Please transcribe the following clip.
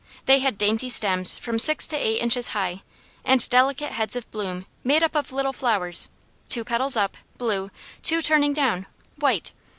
They had dainty stems from six to eight inches high and delicate heads of bloom made up of little flowers, two petals up, blue, two turning down, white.